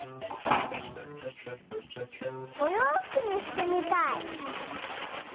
おようふくにしてみたい！